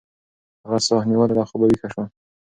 هغه ساه نیولې له خوبه ویښه شوه.